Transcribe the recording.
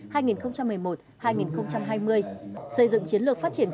xây dựng chiến lược phát triển